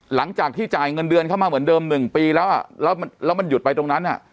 หลังจากที่จ่ายเงินเดือนเข้ามาเหมือนเดิม๑ปีแล้วอ่ะแล้วมันหยุดไปตรงนั้นอ่ะ